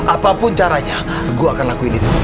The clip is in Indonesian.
apapun caranya gue akan lakuin itu